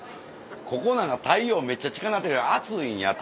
ここなんか太陽めっちゃ近なってるから暑いんやと。